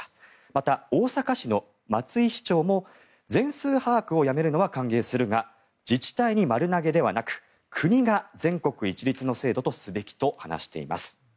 また、大阪市の松井市長も全数把握をやめるのは歓迎するが自治体に丸投げではなく国が全国一律の制度とすべきと話しています。